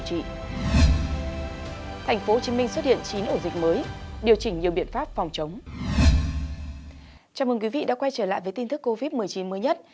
chào mừng quý vị đã quay trở lại với tin tức covid một mươi chín mới nhất